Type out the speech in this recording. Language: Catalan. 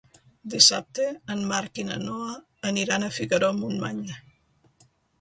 Dissabte en Marc i na Noa aniran a Figaró-Montmany.